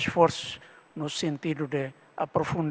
saya sudah banyak lagi berbicara di film